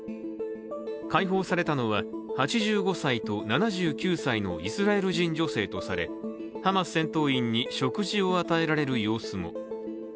解放されたのは８５歳と７９歳のイスラエル人女性とされハマス戦闘員に食事を与えられる様子も。